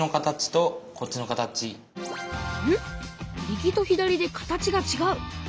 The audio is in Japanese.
右と左で形がちがう！